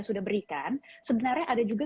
sudah berikan sebenarnya ada juga